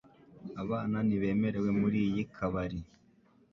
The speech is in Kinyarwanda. Abana ntibemerewe muriyi kabari